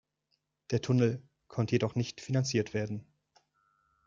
Der Tunnel konnte jedoch nicht finanziert werden.